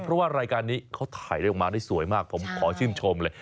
เพราะว่ารายการนี้เขาถ่ายได้ออกมาได้สวยมากผมขอชื่นชมเลย